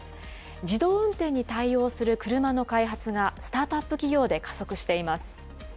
自動運転に対応する車の開発がスタートアップ企業で加速しています。